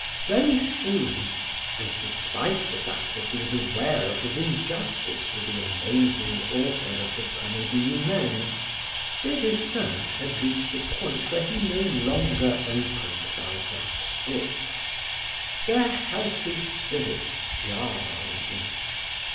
Very soon, and despite the fact that he was aware of his injustice to the amazing author of the Comedie humaine, Des Esseintes had reached a point where he no longer opened Balzac's books; their healthy spirit jarred on him.